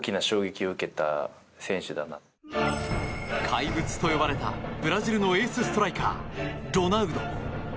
怪物と呼ばれたブラジルのエースストライカー、ロナウド。